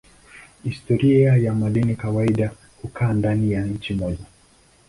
Historia ya madeni kawaida hukaa ndani ya nchi moja.